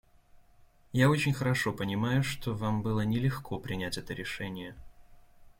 Я очень хорошо понимаю, что вам было нелегко принять это решение.